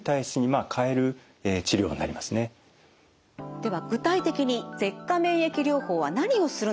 では具体的に舌下免疫療法は何をするのかまとめました。